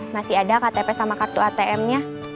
masih ada ktp sama kartu atm nya